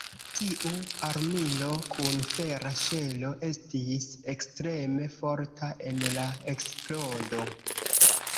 Tiu armilo kun fera ŝelo estis ekstreme forta en la eksplodo.